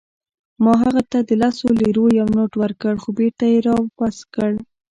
ما هغه ته د لسو لیرو یو نوټ ورکړ، خو بیرته يې راواپس کړ.